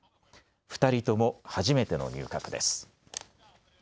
２人とも初めての入閣です。